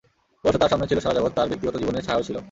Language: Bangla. অবশ্য তাঁর সামনে ছিল সারা জগৎ, তাঁর ব্যক্তিগত জীবনের ছায়াও ছিল।